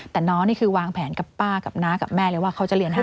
แต่น้องนี่คือวางแผนกับป้ากับน้ากับแม่เลยว่าเขาจะเรียนให้